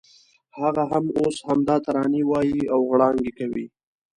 هغه هم اوس همدا ترانې وایي او غړانګې کوي.